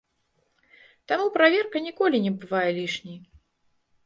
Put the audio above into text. Таму праверка ніколі не бывае лішняй.